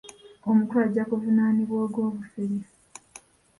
Omukulu ajja kuvunaanibwa ogw'obufere.